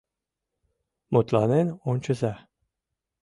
Мутланен ончыза.